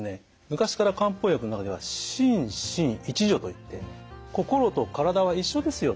昔から漢方薬の中には「心身一如」といって心と体は一緒ですよと。